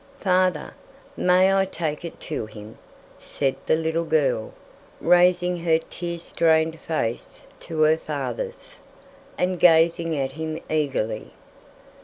"Father, may I take it to him?" said the little girl, raising her tear stained face to her father's, and gazing at him eagerly.